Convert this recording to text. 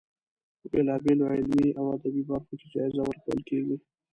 په بېلا بېلو علمي او ادبي برخو کې جایزه ورکول کیږي.